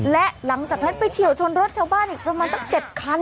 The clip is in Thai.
และหลังจากนั้นไปเฉียวชนรถชาวบ้านอีกประมาณตั้ง๗คัน